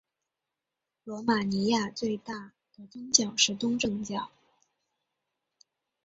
罗马尼亚最大的宗教是东正教。